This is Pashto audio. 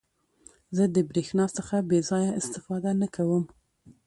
زه د برېښنا څخه بې ځایه استفاده نه کوم.